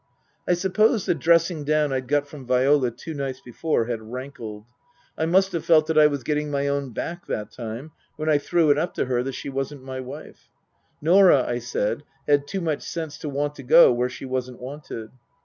I suppose the dressing down I'd got from Viola two nights before had rankled. I must have felt that I was getting my own back that time, when I threw it up to her that she wasn't my wife. Norah, I said, had too much sense to want to go where she wasn't wanted.